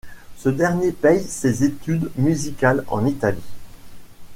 Ce dernier paye ses études musicales en Italie.